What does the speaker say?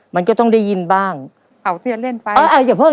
มันก็ต้องได้ยินบ้าง